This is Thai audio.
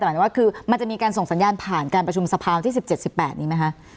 หมายถึงว่าคือมันจะมีการส่งสัญญาณผ่านการประชุมสภาวันที่๑๗๑๘นี้ไหมคะ